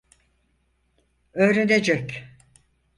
Öğrenecek.